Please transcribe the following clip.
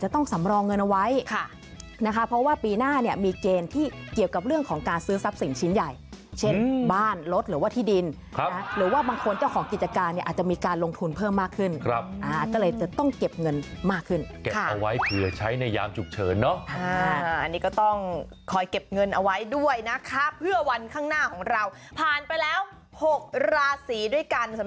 ที่เกี่ยวกับเรื่องของการซื้อทรัพย์สิ่งชิ้นใหญ่เช่นบ้านรถหรือว่าที่ดินหรือว่าบางคนเจ้าของกิจการเนี่ยอาจจะมีการลงทุนเพิ่มมากขึ้นก็เลยจะต้องเก็บเงินมากขึ้นเก็บเอาไว้เผื่อใช้ในยามจุกเฉินเนาะอันนี้ก็ต้องคอยเก็บเงินเอาไว้ด้วยนะครับเพื่อวันข้างหน้าของเราผ่านไปแล้ว๖ราศีด้วยก